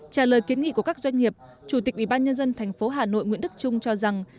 trả lời kiến nghị của các doanh nghiệp chủ tịch ủy ban nhân dân thành phố hà nội nguyễn đức trung cho rằng